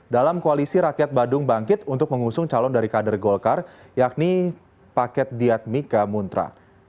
dalam koalisi rakyat badung bangkit untuk mengusung calon dari kader golkar yakni paket diatmika muntra